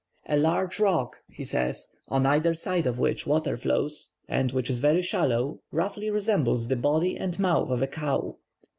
"A large rock," he says, "on either side of which water flows, and which is very shallow, roughly resembles the body and mouth of a cow.